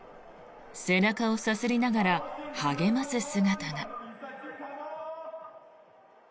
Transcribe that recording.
背中をさすりながら励ます姿が。